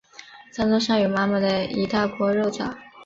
餐桌上有满满一大锅肉燥